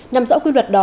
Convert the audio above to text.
nằm dõi quy luật đó